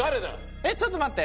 えっちょっと待って。